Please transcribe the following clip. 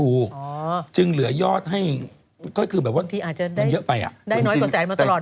ถูกจึงเหลือยอดให้ว่าเยอะไปอ่ะบางทีอาจจะได้น้อยกว่าแสนมาตลอด